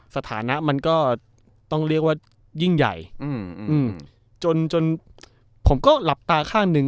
สถานะมันก็ต้องเรียกว่ายิ่งใหญ่จนจนผมก็หลับตาข้างหนึ่ง